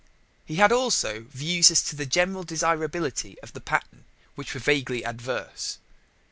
He had also views as to the general desirability of the pattern which were vaguely adverse.